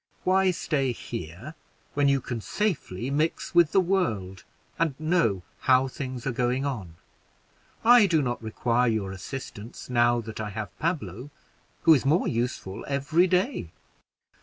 Why stay here, when you can safely mix with the world and know how things are going on? I do not require your assistance, now that I have Pablo, who is more useful every day.